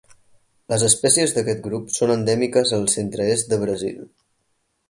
Les espècies d'aquest grup són endèmiques del centre-est del Brasil.